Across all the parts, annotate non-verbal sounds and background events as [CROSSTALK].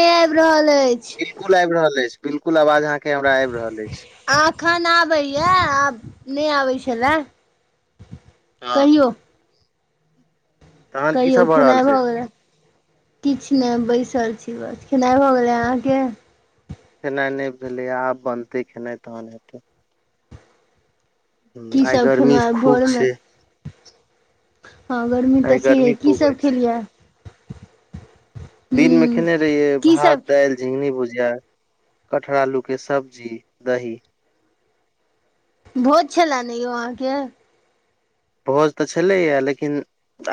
आबि रहल अछि बिल्कुल आबि रहल अछि बिल्कुल आवाज अहाँके हमरा आबि रहल अछि आखन आबैए आब नहि आबै छलए हँ कहियौ तहन की कहियौ सब रहल खेनाई छै भऽ गेलै किछ नहि बैसल छी बस खेनाई भऽ गेलै अहाँके खेनाई नहि भेलैए आब बनतै खेनाई तहन हेतै हम्म की आइ सब गर्मी खेलहुँ आइ खूब भोरमे छै हँ गर्मी आइ तऽ छैहे गर्मी की खूब सब अछि खेलियै दिन मे हूँ खेने रहियै की सब भात दालि झिंगनी भुजिया कठहर आलू के सब्जी दही भोज छलै ने यौ अहाँके भोज तऽ छलैये लेकिन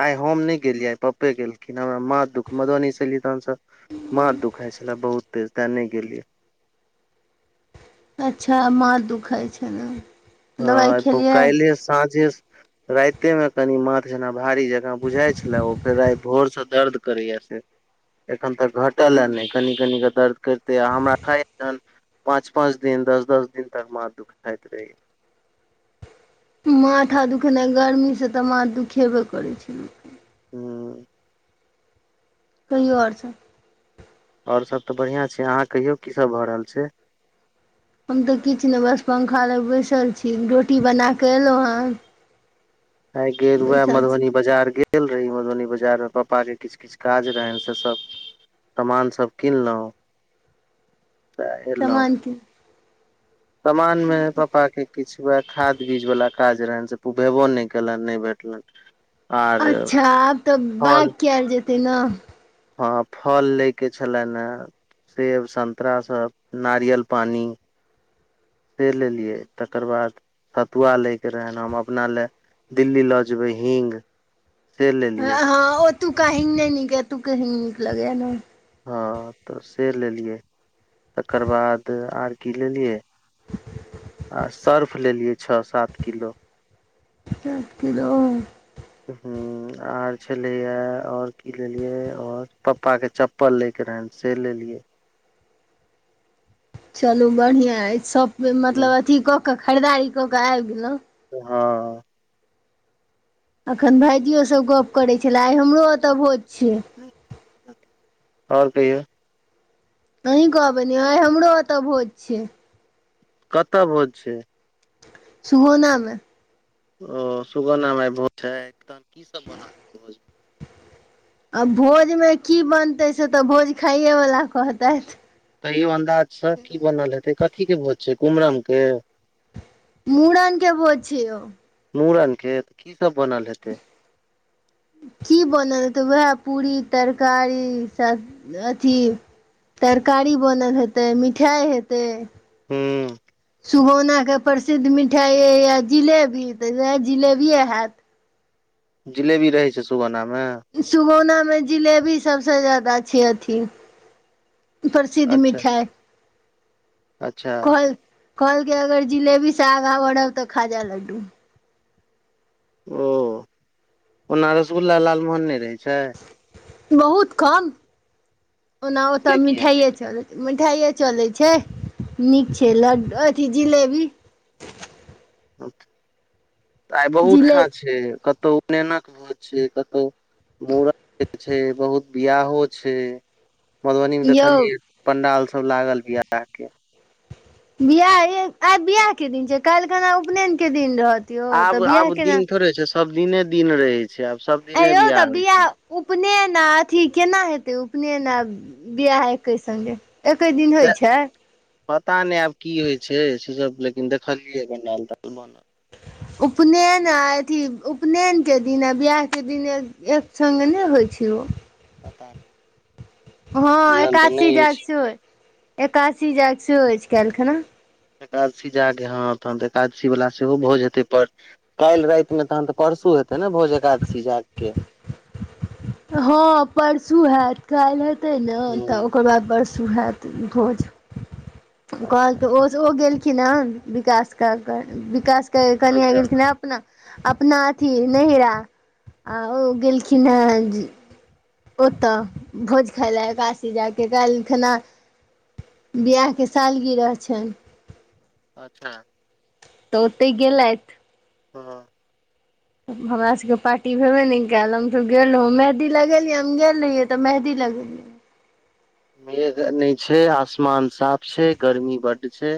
आइ हम नहि गेलियै आइ पप्पे गेलखिन हमरा माथ दुःख मधुबनीसँ एयलियै तहनसँ माथ दुखाई छले बहुत तेज तें नहि गेलियै अच्छा माथ दुखाई छलै हँ आइ भो काइल्हे साँझे राइतेमे कनि माथ जेना भारी जेकाँ बुझाय छलै ओ फेर आइ भोर से दर्द करैया फेर एखन तक घटल अय नहि कनि कनि कऽ दर्द करिते अय हमरा माथाए जहन पाँच पाँच दिन दस दस दिन तक माथ दुःखाइत रहैये माथा दुखनाइ गर्मीसँ तऽ माथ दुखेबे करै छै हम्म कहियौ आओर सब आओर सब तऽ बढ़ियां छै अहाँ कहियौ की सब भऽ रहल छै हम तऽ किछु नहि बस पंखा लग बैसल छी रोटी बना कऽ एलहुँ हेँ आय गेल वएह छी मधुबनी बाजार गेल रही मधुबनी बाजार मे पापा के किछु किछु काज रहनि से सब सामान सब किनलहुँ त एलहुँ सामान कीन समान मे पापा के किछु उएह खाद बीज वला काज रहनि से पु भेबो नहि कलनि नहि भेटलनि आर अच्छा आब तऽ बाग फल कयल जेतय ने हँ फल लयके छलनि हैं सेब संतरा सब नारियल पानी से लेलियै तकर बाद सतुआ लैके रहनि हम अपना लए दिल्ली लऽ जेबै हींग। से हँ लेलियै ह ओतूका हीग नै नीक एतूके हीग नीक लगै ये न। हँ तऽ से लेलियै तकर बाद आर की लेलियै? आ सर्फ लेलियै छ सात किलो। सात किलो ह। हू आर छलैये और की लेलियै और पप्पा के चप पल लै के रहनि से लेलियै। चलू बढ़ियां अइछ सब हँ मतलब अथी कऽ कऽ खरीदारी कऽ कऽ आबि गेलौं। हँ। अखन भाइजियो सब गप करै छले आइ हमरो ओतऽ भोज छियै। और कहियौ? अहीं कहबै न यौ आइ हमरो ओतऽ भोज छियै। कतऽ भोज छै? सुगौना मे। ओ सुगौना में आय भोज छै तहन की सब बनल भोज में। आ भोजमे की बनतै से तऽ भोज खाइये बला कहतैथ। तैयो अन्दाज सँ की बनल हेतै कथी के भोज छै कुम्हरम के? मूड़न के भोज छियै यौ। मुड़न केेत। की सब बनल हेतै? [INAUDIBLE] की बनल हेतै वेएह पूरी तरकारी सब अथी तरकारी बनल हेतै मिठाइ हेतै हूं सुगौना के प्रसिद्ध मिठाइ अइ येए जिलेबी तऽ वेएह जिलेबिये हेएत। जिलेबी रहै छै सुगौना मे? सुगौना मे जिलेबी सब सँ जादा छै अथी प्रसिद्ध अच्छा मिठाइ। अच्छा। कहलकै अगर जिलेबी से आगां बढ़ब तऽ खाजा लड्डू। ओ ओना रसगुल्ला लालमोहन नै रहै छै? बहुत कम ओना ओतऽ से किया मिठाइये चलै मिठाइये चलै छै नीक छै लड अथी जिलेबी। त आइ बहुत ठां जिले छियै कतौ उपनयनक भोज छियै कतौ मुड़न छै बहुत बियाहो छै। मधुबनी मे यौ देखलियै पंडाल सब लागल बियाह के। बियाह अइ आइ बियाह के दिन छियै काइल्ह खना उपनयन के दिन रहत। यौ तऽ आब बियाह -आब केना दिन थोड़े छै सब दिने, दिन रहै छै आब सब दिने आंइयौ तऽ होइ छै बियाह उपनयन आ अथी केना हेतै उपनयन आ बियाह एकै संगे? एकै दिन से होइ छै? पता नै आब की होइ छै से सब लेकिन देखलियै ये पंडाल -तंडाल बनल। उपनयन आ अथी उपनयन के दिन आ बियाह के दिन एक - एक सङ्गे नै होइ छै ओ। पता नहि हँ बुझल तऽ एकादसी नहि जाग अछि सेहो अइ। एकादसी जाग सेहो अइछ काइल्ह खिना। एकादशी जाग अइ हँ, तहन एकादशी बला सेहो भोज हेतै पर काल्हि रातिमे, तहन तऽ परसु हेतै ने भोज एकादशी जागके? हँ परसु हैत, काल्हि हेतै न ह तऽ ओकर बाद परसू। हैत भोज [INAUDIBLE] ओ अच्छा कहलकै ओस ओ गेलखिन हन। विकास का [UNINTELLIGIBLE] विकासके कनिआं अच्छा गेलखिन [UNINTELLIGIBLE] [UNINTELLIGIBLE] अपना अथी नहिरा आ ओ गेलखिन हें ओतऽ भोज खाइ ला एकादशी जागके काल्हि खिना बिआहके सालगिरह छनि। अच्छा। त ओतै गेलैथ। हँ। हमरा सबके पार्टी भेबे नै कैल। हम सब गेलौ मेंहदी लगेलियैन, हम गेल रहियै तऽ मेंहदी लगेलियैन। मेघ नै छै, आसमान साफ छै, गर्मी बड्ड छै।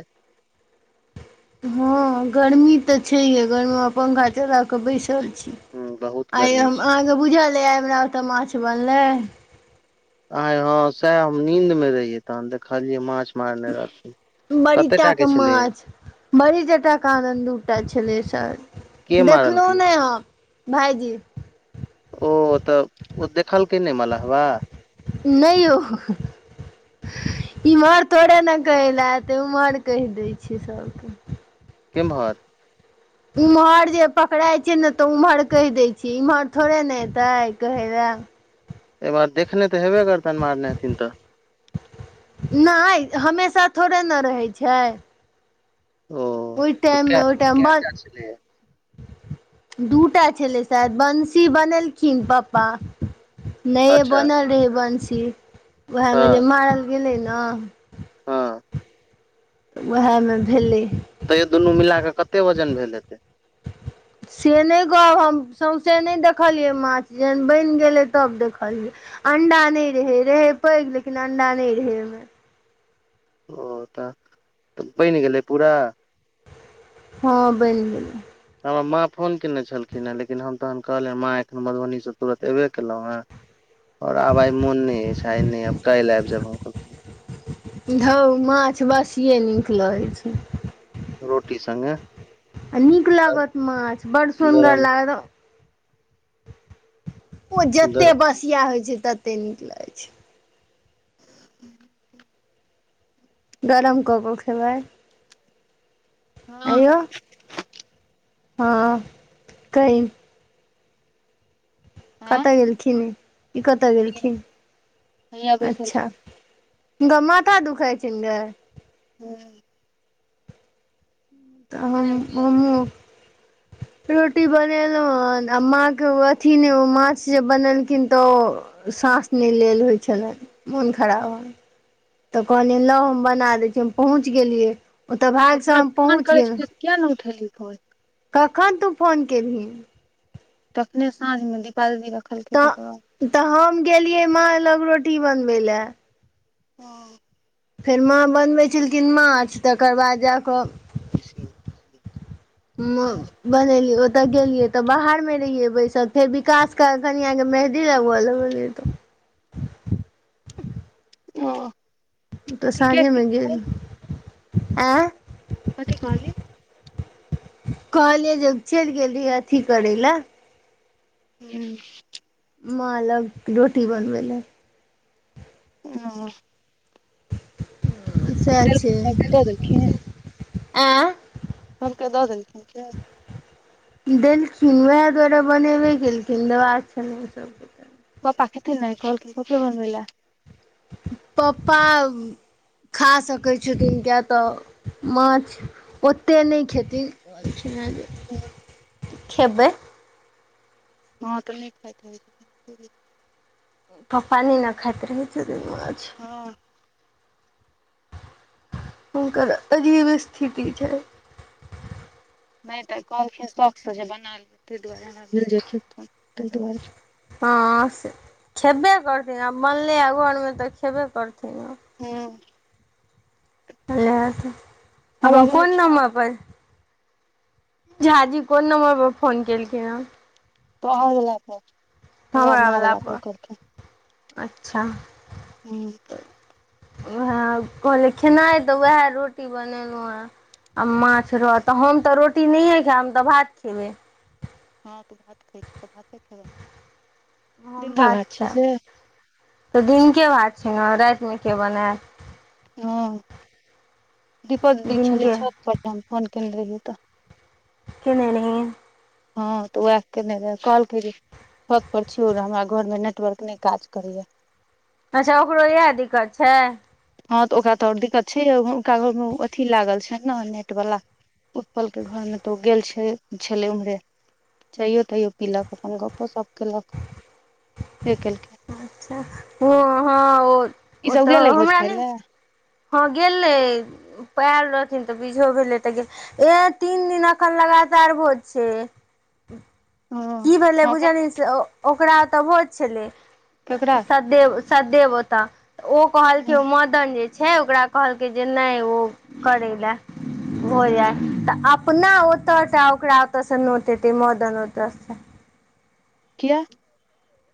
हँ गर्मी तऽ छैहे, गरमीमे पंखा चला कऽ बैसल छी। ह बहुत [INAUDIBLE] एं यै गर्मी हम छै अहाँके बुझल यै आ हमरा ओत मांछ बनलै? एं हं सैह हम नींद मे रहियै, तहन देखलियै मांछ। [INAUDIBLE] बड़ीटाके छलै माछ बड़ी टटा कहांदन दूटा छलै शायद, के देखलौं मारलकै नै हम। भाइजी ओ तऽ ओ देखलकै नै मलहबा? नै यौ। [INAUDIBLE] [INAUDIBLE] इम्हर थोड़े न कहै ला एतै उम्हर कहि दै छै सब। केम्हर? एम्हर जे पकड़ाइ छै ने तऽ ओम्हर कहि दै छै इम्हर थोड़े ने एतै कहै ला। आहि बा देखने तऽ हेबे करतनि मारने हेथिन तऽ? नै हमेशा थोड़े न रहै छै। ओ ओइ तऽ टाइममे कै ओइ टाइममे कै बड टा छलैया दूटा छलै शायद, बंसी बनेलखिन पप्पा। नये अच्छा बनल रहै बंशी [INAUDIBLE] उहे हँ मे जे मारल गेलै न। हँ। त उहे मे भेलै। तै दुनू मिलाके कते वजन भेल हेतै? से नै कहब हम, सौँसे नै देखलियै मांछ। जेहन बनि गेलै तब देखलियै। अंडा नै रहै, रहै पैघ लेकिन अंडा नै रहै ओइमे। ओ तऽ [INAUDIBLE] बनि गेलै पूरा? हँ बनि गेलै। हमरा माँ फोन केने छलखिन हेँ लेकिन हम क हम कहलिअनि माँ एखन हम मधुबनीसँ तुरत एबे केलौं हेँ हमरा आब आइ मोन नै अछि आइ नै आएब, काल्हि आबि जाबि हम कखनो। धौर मांछ बसिए नीक लगै छै। रोटी संगे। आ नीक लागत मांछ, बड़ सुन्दर गरम लागत। रौ जेते गर बसिया होइ छै तते नीक लागै छै। [INAUDIBLE] गरम क क खेबैय? हँ कैहयौ? हँ कइ। आँ कतय गेलखिन, ई कतय हैया गेलखिन? हैया बैसल अच्छा। हुनका माथा दुखाय छैन गय। [INAUDIBLE] हम -हमहुँ रोटी बनेलहुँहन आ माँके ओ अथी नय ओ माछ जे बनेलखिनतऽ ओ साँस नय लेल होइ छलैन, मोन खराब तऽ कहलियैन हम बना दै छी, हम पहुँच गेलियै, ओतऽ भागसँ हम पहुँच गेल क्या नय उठेली फोन? कखन तू फोन केलहि? तखने साँझमे दीपा दी रखलकै, तऽ तकर बाद। तऽ हम गेलियै मां लग रोटी बनबै लय। हुं- फेर माँ बनबै छलखिन माछ, तकर बाद जा कऽ म- बनेलियै। ओत गेलियै तऽ बाहर मे रहियै बैसल फेर विकास क कनियाँ के मेह- दी लगब लगलियै त ओ- ओतऽ कथी के सांझेमे छौ गेल। कथी कहली? कहलिये जे चैइल गेल रहियै अथी करैलय। हूं। माँ लग रोटी बनबै लए। [UNINTELLIGIBLE] सैह छै। देलखिन सबके दऽ देलखिन एं सबके दऽ देलखिन से? देलखिन, वैह दुआारे बनेबे केलखिन, दवाक छलैन ओसभके। पप्पा खेथिने, कहलखिन पप्पे बनबयलय। पप्पा खा सकै छथिन किए तऽ माछ, ओत्ते नय खेथिन। [UNINTELLIGIBLE] [UNINTELLIGIBLE] खेबैय। हँ तऽ नय [UNINTELLIGIBLE] पप्पा नय ने खाइत रहै छथिन माछ। हँ हुनकर अजीब स्थिति छैन। नय तऽ कहलखिन शौखसँ जे बना लिय तय दुआरे हमरा भेल जे [UNINTELLIGIBLE] तय दुआरे। हँ से खेब्बे करथिन आ बनलैयै घरमे तऽ खेबे करथिन ने। हूं- लेत। हवा अख्खन बहै कोन छै नम्बर पर? झा जी कोन नम्बर पर फोन केलखिनहें? तोहर वला पर। तकर बाद हमरा माँ बला वला पर, करतै अच्छा। हूं। उएह कहले खेनाइ तऽ उएह रोटी बनेलहुँ आ माछ रहत हम तऽ रोटी नहियए खायब हम तऽ भात खेबै हँ तऽ भात खै छ तऽ भाते खेलौ हम भात खायब तऽ दिनके भात छै ने रातिमे के बनाय हॅं। दीपक दीदी छलै दिनके छ पर हम फोन केने रहियै तऽ केने रहियै। हँ तऽ ओएह केने रहै कहल कय जे छत पर छियौ हमरा घर मे नेटवर्क नहि काज करैया। अच्छा ओकरो इएह दिक्कत छै। हँ तऽ ओकरा तऽ आओर दिक्कत छै ओक घरमे अथी लागल छै ने नेट वला उत्पल के घर मे तऽ ओ गेल छै छले ओम्हरे चैयो तैयो पीलक अपन गप्पो सप केलक से केलकिन अच्छा ओ हँ ओ ई ओ सब तऽ गेलै भोज हमरा खाय नहि लए हँ गेले पयर रहथिन तऽ बीझो भेलै तऽ गेल ए तीन दिन एखन लगातार भोज छै की भेलै हँ बुझल लियै से ओकरा तऽ भोज छलै। केकरा व सदेव ओतऽ तऽ ओ कहलकै ओ मदन जे छै ओकरा कहलकै जे नहि ओ करै ले हो जा तऽ अपना ओ तऽ ओकरा ओतसे नोत एत मदन ओतसे किया।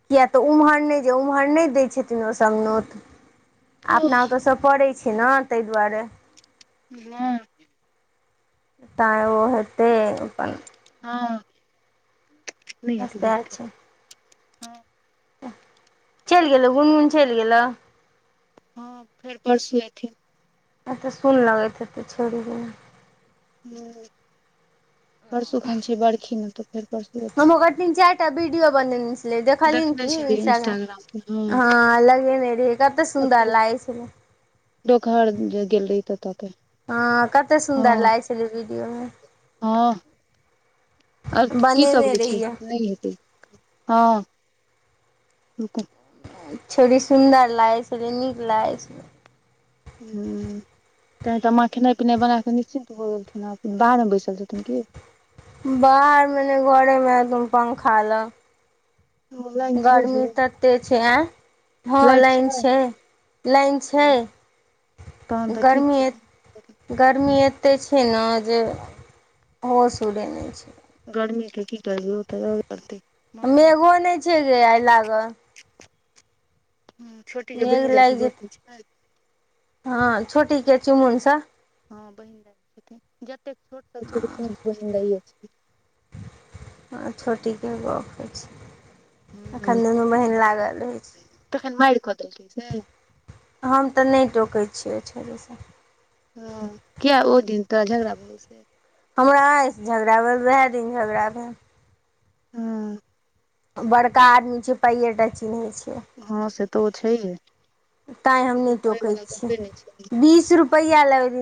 किया तऽ ओम्हर नहि जे ओम्हर नहि दै छथिन ओ सब नोत आ अपना ओतऽ स पड़ै छै ने ताहि दुआरे। ह। तैँ ओ हेतै अपन हँ नहि हेतै सएह गप हँ चल गेलै गुन गुन चल गेलै। हँ फेर परसू एथिन। एतऽ सुन लगैत हेतै छोड़ि बिना हूँ परसू खन छी बरखी ने तऽ फेर परसू हमहू एथिन ओकर तीन चारिटा वीडियो बनेने देखलिय देखने की छलियै इंस्टाग्राम पर इंटाग्राम हँ लगेने रहि कते सुन्दर लागे छलै। दोकहर जे गेल रही तऽ ततके- हँ कतेक सुन्दर लागै छलै वीडियोमे हँ ओर की सब बनेने होइ छै रहियै नहि हेतै। हँ तुकह छोरी सुन्दर लागै छलै नीक लागै छलै हूँ। तेय तऽ माँ खेनाई पिनाई बनाकऽ निश्चिन्त भऽ गेलखिन ह बाहरमे बैसल छथिन की। बाहर मे घरे मे अपन पंखा लगऽ। ओ लाइन छै से गर्मी तते छैं ऐ। हँ लाईन छै लाईन छै। तहन तऽ ठीक गर्मी छी। एत गर्मी एते छै ने जे होश उरेने गर्मी के की करबे भी ओत रहबे करतै। मौसम मेघो नै छै गे आइ लागल। छोटी के मेघ बहिन्दाई से लागि गप्प जेतै होइ छैन। हँ छोटी के चुमुन स। हँ बहिन दाई छथिन, जतेक छोट सब छै सभ बहिन दाई छै। हंऽ छटीके गप्प होइ छै। हूँ एखन दुनू बहीन लागल रहै छै। तखन मारि कऽ देलकै से। छै हम तऽ नै टोकै छियै ओ छैरि सँ। हं किया ओ दिन तऽ झगड़ा भऽ गेल से। हमरा आय से झगड़ा भेल, वेहै दिन झगड़ा भेल। हूं। बड़का आदमी छै पाईए टा चिन्है छै। हँ से तऽ ओ छैहे तैं हम नै कहै टोकै वला छियै, गपे नहि छै बीस रु पया लै ओइदिन।